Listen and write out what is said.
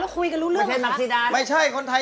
ใครได้